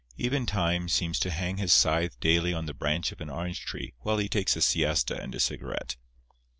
Even Time seems to hang his scythe daily on the branch of an orange tree while he takes a siesta and a cigarette.